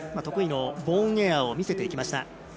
得意のボーンエアを見せていきました。